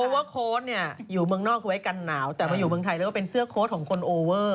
เพราะว่าโค้ดเนี่ยอยู่เมืองนอกไว้กันหนาวแต่มาอยู่เมืองไทยแล้วก็เป็นเสื้อโค้ดของคนโอเวอร์